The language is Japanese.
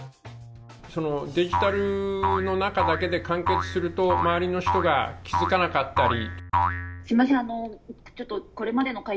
デジタルの中だけで完結すると周りの人が気づかなかったり。